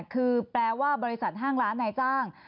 คือแปลว่าบริษัทห้างร้านนายจ้าง